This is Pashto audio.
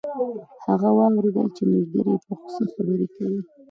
هغه واوریدل چې ملګری یې په غوسه خبرې کوي